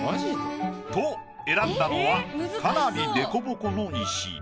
と選んだのはかなり凸凹の石。